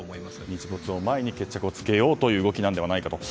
日没を前に決着をつけようという動きなのではないかと。